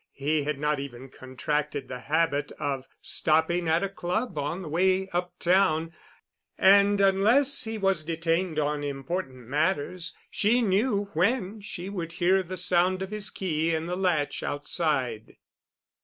He had not even contracted the habit of stopping at a club on the way uptown, and unless he was detained on important matters she knew when she would hear the sound of his key in the latch outside.